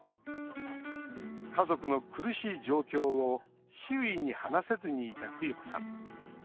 家族の苦しい状況を周囲に話せずにいた冬子さん。